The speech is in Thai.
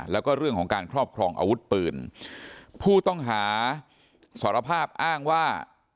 แล้วก็เรื่องของการครอบครองอาวุธปืนผู้ต้องหาสารภาพอ้างว่า